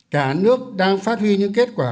cả nước đang phát huy những kết quả